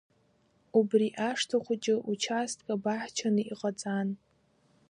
Убри ашҭа хәыҷы участка баҳчаны иҟаҵан.